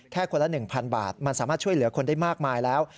แค่คนละ๑๐๐บาทมันสามารถช่วยเหลือคนได้มากมายแล้ว